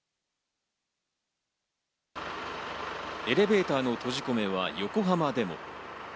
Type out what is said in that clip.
エレベーターの閉じ込めは横浜でも。